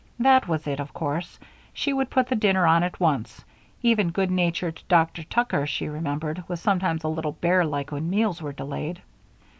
That was it, of course; she would put the dinner on at once even good natured Dr. Tucker, she remembered, was sometimes a little bearlike when meals were delayed.